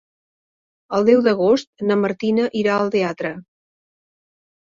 El deu d'agost na Martina irà al teatre.